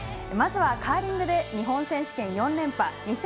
まずはカーリングで日本選手権４連覇。